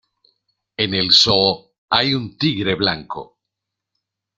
En el zoo hay un tigre blanco.